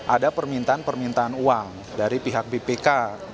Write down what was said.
ada permintaan permintaan uang dari pihak bpk